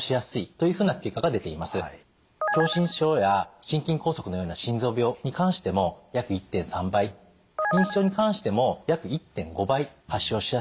狭心症や心筋梗塞のような心臓病に関しても約１．３倍認知症に関しても約１．５倍発症しやすいという報告があります。